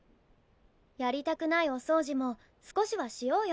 やりたくないお掃除も少しはしようよ。